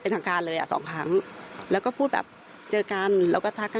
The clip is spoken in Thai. ทางการเลยอ่ะสองครั้งแล้วก็พูดแบบเจอกันแล้วก็ทักให้